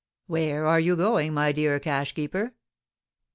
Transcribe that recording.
"Where are you going, my dear cashkeeper?"